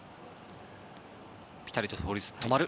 ピタリと倒立、止まる。